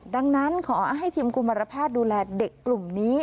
ดังนั้นขอให้ทีมกุมารแพทย์ดูแลเด็กกลุ่มนี้